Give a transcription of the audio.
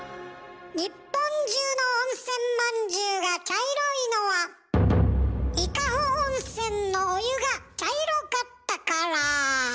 日本中の温泉まんじゅうが茶色いのは伊香保温泉のお湯が茶色かったから。